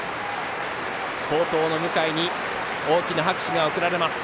好投の向井に大きな拍手が送られます。